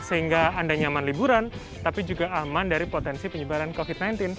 sehingga anda nyaman liburan tapi juga aman dari potensi penyebaran covid sembilan belas